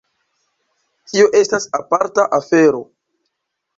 Tio estas aparta afero.